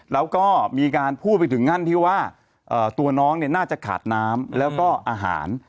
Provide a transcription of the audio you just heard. แล้วก็มีการพูดไปถึงนั่นที่ว่าตัวน้องน่าจะขาดน้ำแล้วก็อาหาร